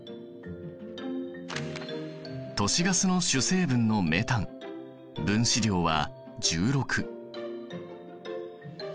都市ガスの主成分のメタン分子量は１６。